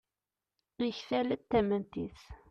yektal-d tamemt-is